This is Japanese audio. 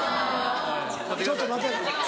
ちょっと待て。